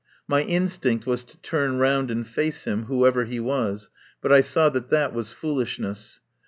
My instinct was to turn round and face him, whoever he was, but I saw that that was foolishness.